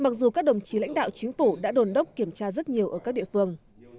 thủ đã đồn đốc kiểm tra rất nhiều ở các địa phương